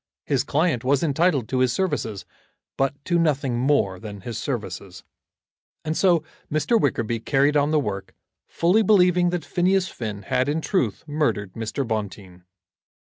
His client was entitled to his services, but to nothing more than his services. And so Mr. Wickerby carried on the work, fully believing that Phineas Finn had in truth murdered Mr. Bonteen.